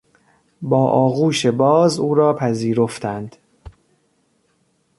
با آغوش باز او را پذیرفتند.